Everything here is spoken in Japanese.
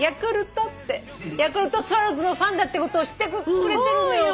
ヤクルトスワローズのファンだってことを知ってくれてるのよ。